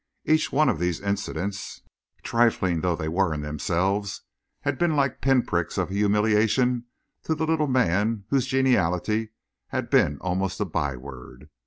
Each one of these incidents, trifling though they were in themselves, had been like pinpricks of humiliation to the little man whose geniality had been almost a byword.